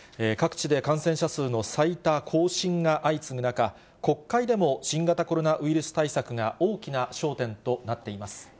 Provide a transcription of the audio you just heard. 各地で感染者数の最多更新が相次ぐ中、国会でも新型コロナウイルス対策が大きな焦点となっています。